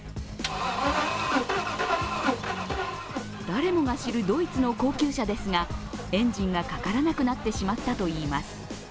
誰もが知るドイツの高級車ですが、エンジンがかからなくなってしまったといいます。